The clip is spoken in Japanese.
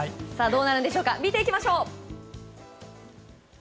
どうなるんでしょうか見ていきましょう。